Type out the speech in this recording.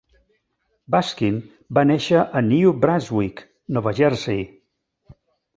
Baskin va néixer a New Brunswick, Nova Jersey.